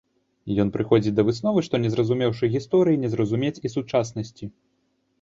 Ён прыходзіць да высновы, што не зразумеўшы гісторыі, не зразумець і сучаснасці.